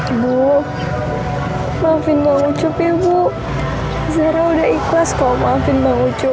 ibu maafin pak ucup ya bu zara udah ikhlas kok maafin pak ucup